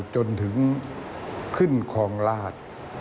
จนถึงขึ้นคลองราช